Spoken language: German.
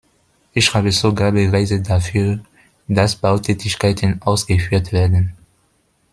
Ich habe sogar Beweise dafür, dass Bautätigkeiten ausgeführt werden.